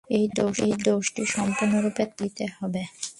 এই দোষটি সম্পূর্ণরূপে ত্যাগ করিতে হইবে।